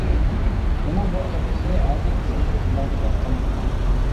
ئۇنىڭ بۇ تۆھپىسى ھەربىي قىسىمدا تىللاردا داستان بولغان.